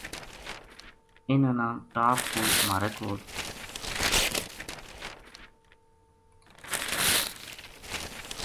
اِنھاں نا ٹاپ پو مھارے کول